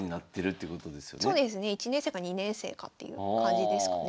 そうですね１年生か２年生かっていう感じですかね。